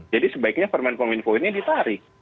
jadi sebaiknya permen kominfo ini ditarik